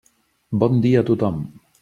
Bon dia a tothom.